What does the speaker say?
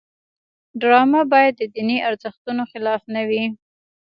ډرامه باید د دیني ارزښتونو خلاف نه وي